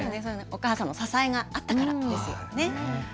お母さんの支えがあったからこそですね。